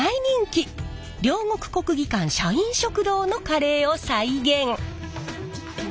両国国技館社員食堂のカレーを再現。